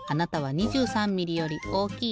２６ミリより大きい？